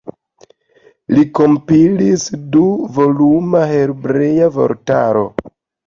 Li kompilis du-voluma hebrea vortaro.